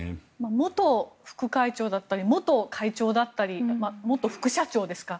元副会長だったり元会長だったり元副社長ですか。